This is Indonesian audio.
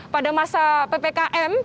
pada masa ppkm